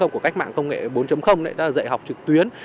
của cách mạng công nghệ bốn dạy học trực tuyến